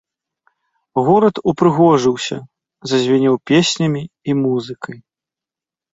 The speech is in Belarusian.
Горад упрыгожыўся, зазвінеў песнямі і музыкай.